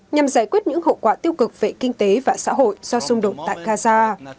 nhằm giải quyết những hậu quả tiêu cực về kinh tế và xã hội do xung đột tại gaza